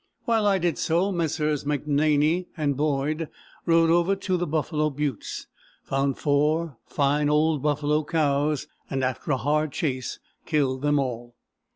While I did so, Messrs. McNaney and Boyd rode over to the Buffalo Buttes, found four fine old buffalo cows, and, after a hard chase, killed them all.